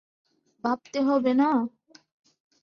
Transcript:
ভাবতে হবে না?